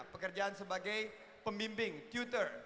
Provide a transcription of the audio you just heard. pekerjaan sebagai pembimbing tutor